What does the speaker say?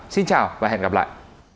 xin chào và hẹn gặp lại